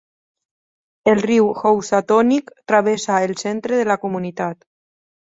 El riu Housatonic travessa el centre de la comunitat.